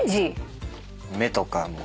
目とかも。